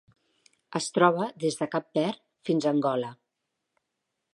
Es troba des de Cap Verd fins a Angola.